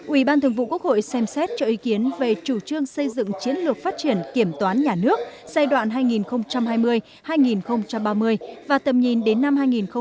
ủy ban thường vụ quốc hội xem xét cho ý kiến về chủ trương xây dựng chiến lược phát triển kiểm toán nhà nước giai đoạn hai nghìn hai mươi hai nghìn ba mươi và tầm nhìn đến năm hai nghìn bốn mươi